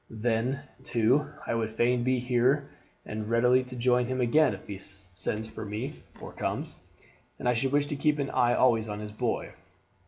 Then, too, I would fain be here to be ready to join him again if he sends for me or comes, and I should wish to keep an eye always on his boy.